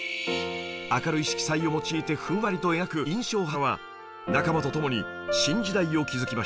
明るい色彩を用いてふんわりと描く印象派は仲間と共に新時代を築きました